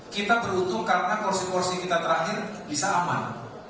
kita beruntung karena porsi porsi kita terakhir bisa aman